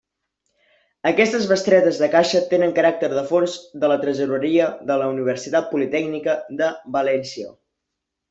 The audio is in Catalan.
Aquestes bestretes de caixa tenen caràcter de fons de la Tresoreria de la Universitat Politècnica de València.